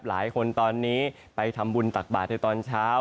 หลายคนตอนนี้ไปทำบุญตักบาทในตอนเช้า